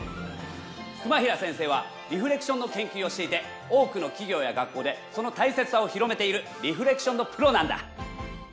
熊平先生はリフレクションの研究をしていて多くの企業や学校でその大切さを広めているリフレクションのプロなんだ。